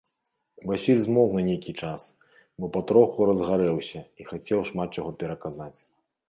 Васіль змоўк на нейкі час, бо патроху разгарэўся і хацеў шмат чаго пераказаць.